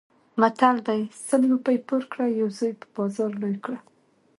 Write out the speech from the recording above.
متل دی: سل روپۍ پور کړه یو زوی په بازار لوی کړه.